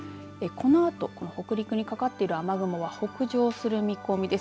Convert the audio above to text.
このあと北陸にかかっている雨雲が北上する見込みです。